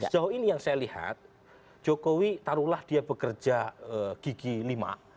sejauh ini yang saya lihat jokowi taruhlah dia bekerja gigi lima